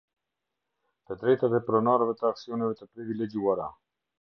Të Drejtat e Pronarëve të Aksioneve të Privilegjuara.